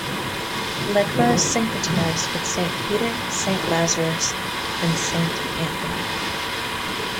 Legba is syncretized with Saint Peter, Saint Lazarus, and Saint Anthony.